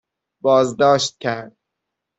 بازداشت کرد